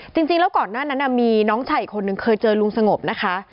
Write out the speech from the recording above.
จริงแล้วก่อนหน้านั้นมีน้องชายอีกคนนึงเคยเจอลุงสงบนะคะ